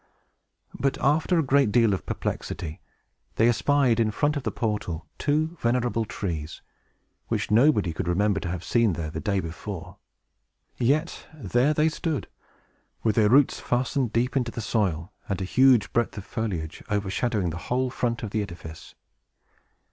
But, after a great deal of perplexity, they espied, in front of the portal, two venerable trees, which nobody could remember to have seen there the day before. Yet there they stood, with their roots fastened deep into the soil, and a huge breadth of foliage overshadowing the whole front of the edifice.